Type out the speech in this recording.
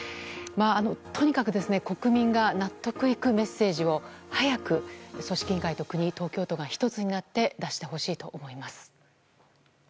とにかく国民が納得いくメッセージを早く、組織委員会、国が１つになって出してほしいと思います。